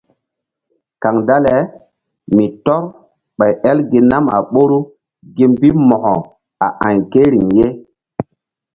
Kaŋ dale mi tɔ́r ɓay el nam a ɓoru gi mbi Mo̧ko a a̧y ke riŋ ye.